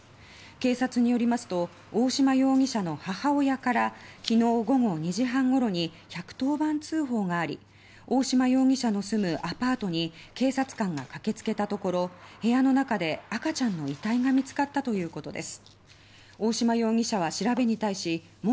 警察によりますと大嶋容疑者の母親から昨日午後２時半ごろに１１０番通報があり大嶋容疑者の住むアパートに警察官が駆けつけたところ部屋の中で赤ちゃんの遺体が見つかったということです。